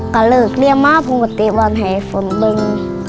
ก็เลือกเรียนมาเพื่อนก็เตี๋ยวบอลให้ฝนบึง